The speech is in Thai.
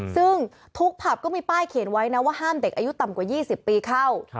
ซึ่งทุกผับก็มีป้ายเขียนไว้นะว่าห้ามเด็กอายุต่ำกว่า๒๐ปีเข้า